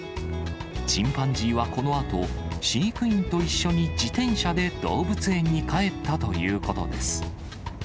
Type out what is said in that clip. チンパンジーはこのあと、飼育員と一緒に自転車で動物園に帰ったということです。